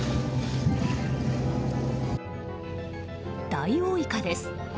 ダイオウイカです。